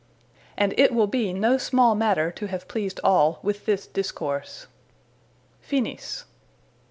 And it will be no small matter, to have pleased all, with this Discourse. _FINIS.